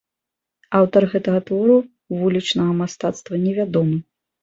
Аўтар гэтага твору вулічнага мастацтва невядомы.